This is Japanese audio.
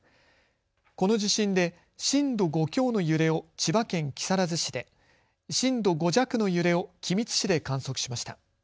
この地震で震度５強の揺れを千葉県木更津市で、震度５弱の揺れを君津市で観測しました。